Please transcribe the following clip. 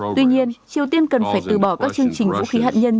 tuy nhiên triều tiên cần phải từ bỏ các chương trình vũ khí hạt nhân